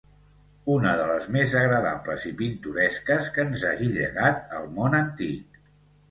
una de les més agradables i pintoresques que ens hagi llegat el món antic